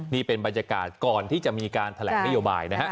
นี่เป็นบรรยากาศก่อนที่จะมีการแถลงนโยบายนะฮะ